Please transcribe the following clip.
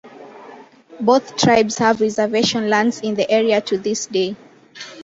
Both tribes have reservation lands in the area to this day.